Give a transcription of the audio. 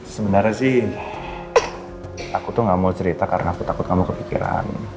sebenarnya sih aku tuh gak mau cerita karena aku takut kamu kepikiran